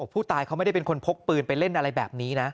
ผู้ตายเขาไม่ได้เป็นคนพกปืนไปเล่นอะไรแบบนี้นะ